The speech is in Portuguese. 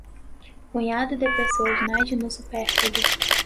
punhado de pessoas nade no supérfluo